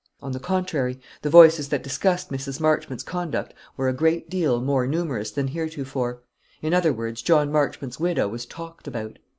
On the contrary, the voices that discussed Mrs. Marchmont's conduct were a great deal more numerous than heretofore; in other words, John Marchmont's widow was "talked about."